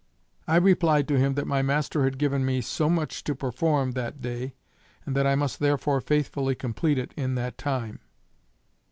I replied to him that my master had given me so much to perform that day, and that I must therefore faithfully complete it in that time.